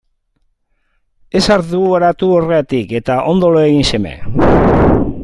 Ez arduratu horregatik eta ondo lo egin seme.